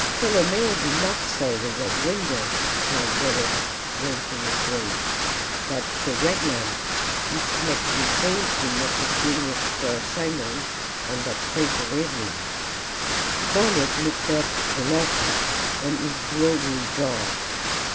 "Tolomeo did not say the Red Window," replied Durham, wrinkling his brows, "but the Red Lamp, which makes me think he must have been with Sir Simon on that fatal evening." Bernard looked up alertly, and his brow grew dark.